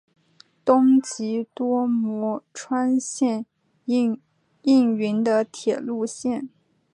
东急多摩川线营运的铁路线。